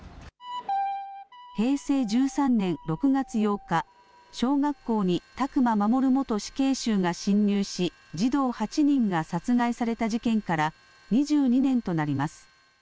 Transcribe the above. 平成１３年６月８日小学校に宅間守元死刑囚が侵入し児童８人が殺害された事件から２２年となります。